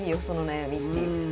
その悩みっていう。